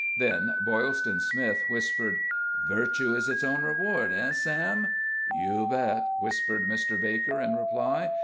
Then Boylston Smith whispered: "Virtue is its own reward hey, Sam?" "You bet," whispered Mr. Baker, in reply.